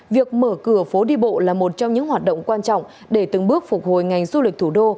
việc mở cửa phố đi bộ là một trong những hoạt động quan trọng để từng bước phục hồi ngành du lịch thủ đô